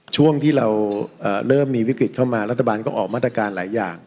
ช่วงที่เราเริ่มมีวิกฤตเข้ามารัฐบาลก็ออกมาตรการหลายอย่าง